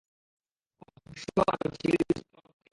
অবশ্য আমি চিংড়ির বিস্কুট তেমন খাইনা।